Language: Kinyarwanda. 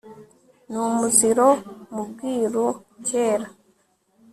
ni umuziro mu bwiru kera